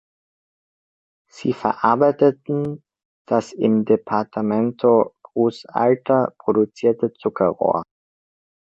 Sie verarbeiten das im Departamento Cruz Alta produzierte Zuckerrohr.